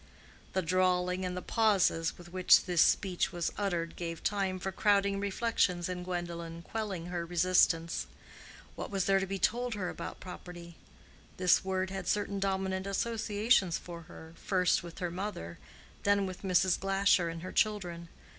The drawling and the pauses with which this speech was uttered gave time for crowding reflections in Gwendolen, quelling her resistance. What was there to be told her about property? This word had certain dominant associations for her, first with her mother, then with Mrs. Glasher and her children.